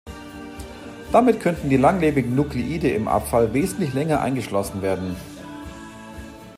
Damit könnten die langlebigen Nuklide im Abfall wesentlich länger eingeschlossen werden.